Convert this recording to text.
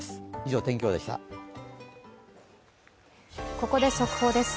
ここで速報です。